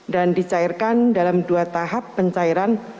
dan dicairkan dalam dua tahap pencairan